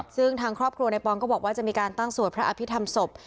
ซึ่งทางครอบครัวในปอนก็บอกว่าจะมีการตั้งสวดพระอภิษฐรรมศพ